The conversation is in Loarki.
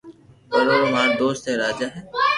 پر اورو مارو دوست اي راجا ھي